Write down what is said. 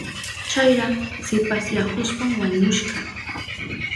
Chayra shipasyahushpan wañushka.